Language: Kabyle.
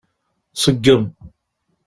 Ṣeggem.